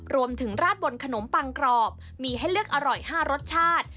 ราดบนขนมปังกรอบมีให้เลือกอร่อย๕รสชาติ